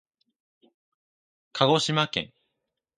かごしまけん